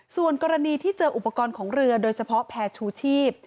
ส่วนกรณีที่เจออุปกรณ์ของเรือโดยเฉพาะแพร่ชูชีพ